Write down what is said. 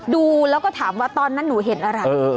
ดูแล้วก็ถามว่าตอนนั้นหนูเห็นอะไร